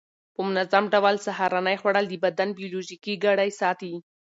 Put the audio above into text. په منظم ډول سهارنۍ خوړل د بدن بیولوژیکي ګړۍ ساتي.